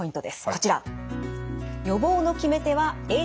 こちら。